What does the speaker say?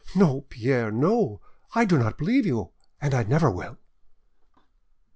No, Pierre, no, I do not believe you, and I never will!"